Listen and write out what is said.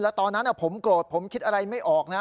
แล้วตอนนั้นผมโกรธผมคิดอะไรไม่ออกนะ